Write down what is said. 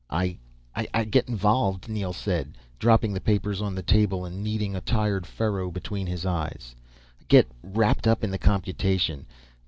"I ... I get involved," Neel said. Dropping the papers on a table and kneading the tired furrow between his eyes. "Get wrapped up in the computation.